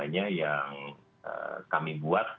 yang kami buat